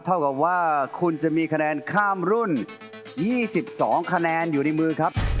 เท่ากับว่าคุณจะมีคะแนนข้ามรุ่น๒๒คะแนนอยู่ในมือครับ